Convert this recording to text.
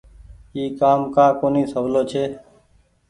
اي ڪآم ڪآ ڪونيٚ سولو ڇي۔